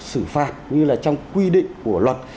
sử phạt như là trong quy định của luật